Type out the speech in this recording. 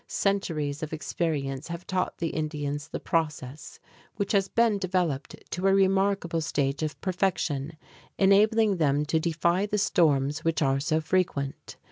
Centuries of experience have taught the Indians the process, which has been developed to a remarkable stage of perfection, enabling them to defy the storms which are so frequent.